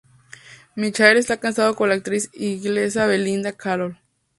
Michael está casado con la actriz inglesa Belinda Carroll.